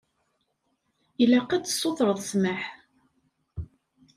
Ilaq ad tsutreḍ ssmaḥ.